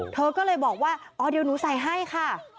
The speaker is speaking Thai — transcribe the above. เธอก็เลยบอกว่าอ๋อเดี๋ยวหนูใส่ให้ค่ะ